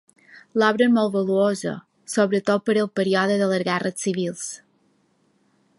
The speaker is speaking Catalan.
L'obra és molt valuosa, sobretot per al període de les guerres civils.